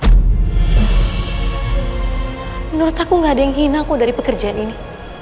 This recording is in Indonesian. menurut aku gak ada yang hina kok dari pekerjaan ini